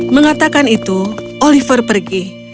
mengatakan itu oliver pergi